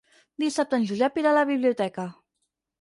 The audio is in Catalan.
Dissabte en Josep irà a la biblioteca.